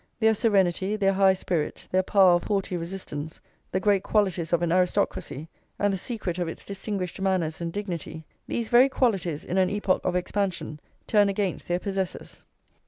Their serenity, their high spirit, their power of haughty resistance, the great qualities of an aristocracy, and the secret of its distinguished manners and dignity, these very qualities, in an epoch of expansion, turn against their possessors.